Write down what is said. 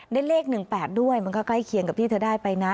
ได้เลขหนึ่งแปดด้วยมันก็ใกล้เคียงกับที่เธอได้ไปนะ